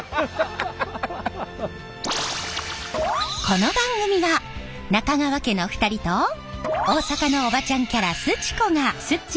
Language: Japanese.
この番組は中川家の２人と大阪のおばちゃんキャラすち子が